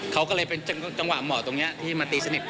เขาก็เลยเป็นจังหวะเหมาะตรงนี้ที่มาตีสนิท